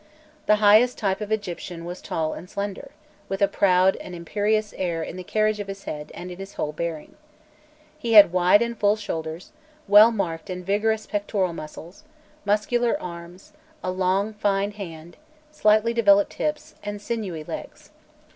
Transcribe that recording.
The highest type of Egyptian was tall and slender, with a proud and imperious air in the carriage of his head and in his whole bearing. He had wide and full shoulders, well marked and vigorous pectoral muscles, muscular arms, a long, fine hand, slightly developed hips, and sinewy legs.